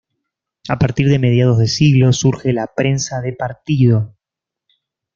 A partir de mediados de siglo surge la prensa de partido.